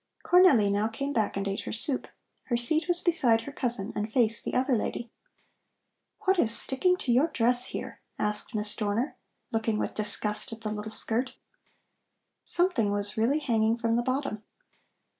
Cornelli now came back and ate her soup. Her seat was beside her cousin and faced the other lady. "What is sticking to your dress here?" asked Miss Dorner, looking with disgust at the little skirt. Something was really hanging from the bottom.